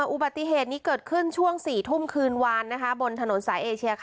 อุบัติเหตุนี้เกิดขึ้นช่วง๔ทุ่มคืนวานบนถนนสายเอเชีย